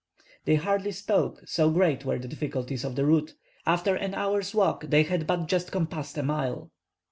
They hardly spoke, so great were the difficulties of the route; after an hour's walk they had but just compassed a mile.